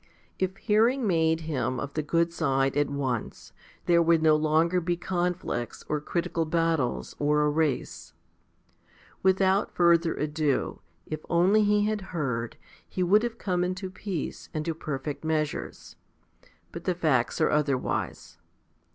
If hearing made him of the good side at once, there would no longer be conflicts, or critical battles, or a race. Without further ado, if only he had heard, he would have come into peace and to perfect measures. But the facts are otherwise.